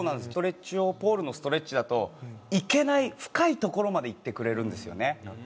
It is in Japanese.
ストレッチ用ポールのストレッチだといけない深い所までいってくれるんですよね。